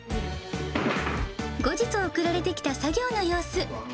後日送られてきた作業の様子。